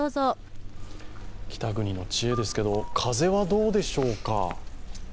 北国の知恵ですけど、風はどうでしょうか？